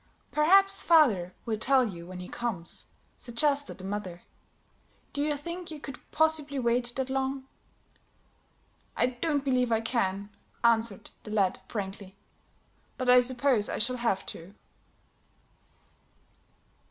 "Perhaps father will tell you when he comes," suggested the mother. "Do you think you could possibly wait that long?" "I don't believe I can," answered the lad, frankly; "but I suppose I shall have to."